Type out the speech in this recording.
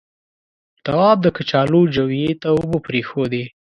تواب د کچالو جويې ته اوبه پرېښودې.